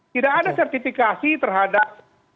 tidak ada sertifikasi terhadap